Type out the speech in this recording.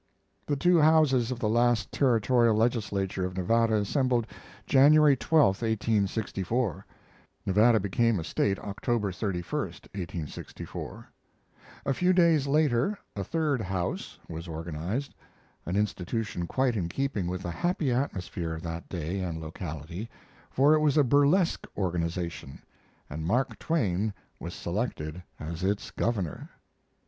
The two Houses of the last territorial legislature of Nevada assembled January 12, 1864. [Nevada became a State October 31, 1864.] A few days later a "Third House" was organized an institution quite in keeping with the happy atmosphere of that day and locality, for it was a burlesque organization, and Mark Twain was selected as its "Governor."